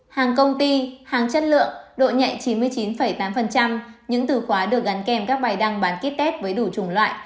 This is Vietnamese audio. hàng công ty hàng chất lượng độ nhẹ chín mươi chín tám những từ khóa được gắn kèm các bài đăng bán ký test với đủ chủng loại